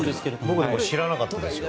僕知らなかったですよ